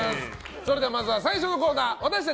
それではまずは最初のコーナー私たち